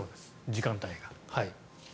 時間帯が。